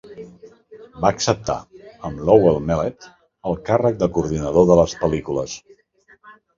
Va acceptar amb Lowell Mellett el càrrec de coordinador de les pel·lícules.